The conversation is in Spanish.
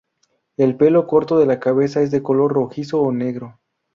El pelo corto de la cabeza es de color rojizo o negro.